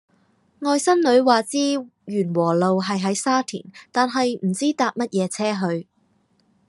外甥女話知源禾路係喺沙田但係唔知搭咩野車去